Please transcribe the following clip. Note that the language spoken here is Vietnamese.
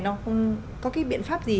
nó không có cái biện pháp gì